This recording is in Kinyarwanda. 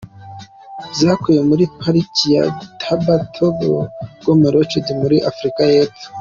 Zakuwe muri Pariki ya Thaba Tholo Game Ranch, muri Afurika y’Epfo.